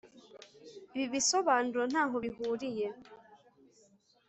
Ibi bisobanuro ntaho bihuriye